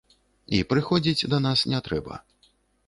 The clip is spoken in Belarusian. І прыходзіць да нас не трэба.